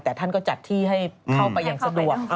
แต่ท่านก็จัดที่ให้เข้าไปอย่างสะดวก